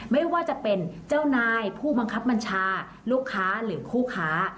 ไม่ว่าจะเป็นเจ้านายผู้บังคับบัญชาลูกค้าหรือคู่ค้า